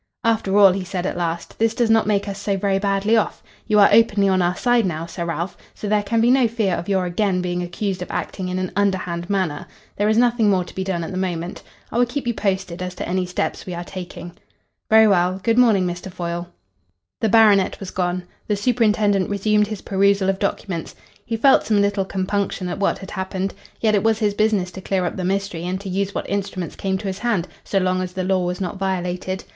"After all," he said at last, "this does not make us so very badly off. You are openly on our side now, Sir Ralph, so there can be no fear of your again being accused of acting in an underhand manner. There is nothing more to be done at the moment. I will keep you posted as to any steps we are taking." "Very well. Good morning, Mr. Foyle." The baronet was gone. The superintendent resumed his perusal of documents. He felt some little compunction at what had happened. Yet it was his business to clear up the mystery, and to use what instruments came to his hand, so long as the law was not violated.